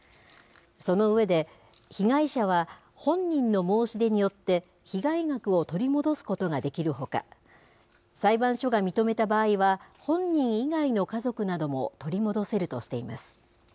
その上で、被害者は本人の申し出によって、被害額を取り戻すことができるほか、裁判所が認めた場合は、本人以外の家族なども取り戻せるとしています。